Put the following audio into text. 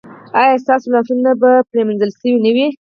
ایا ستاسو لاسونه به مینځل شوي نه وي؟